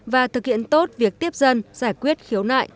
và thực hiện tốt việc tiếp dân giải quyết khiếu nại tố cáo